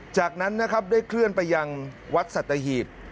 จากนั้นนะครับได้เคลื่อนไปยังวัดสัตหีบ